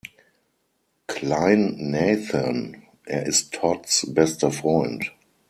Klein Nathan: Er ist Todds bester Freund.